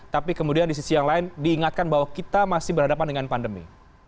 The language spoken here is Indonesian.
tapi kemudian di sisi yang lain diingatkan bahwa kita masih berhadapan dengan pandemi